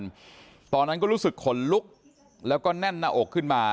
ตอนนั้นก็รู้สึกขนลุกแล้วก็แน่นหน้าอกขึ้นมา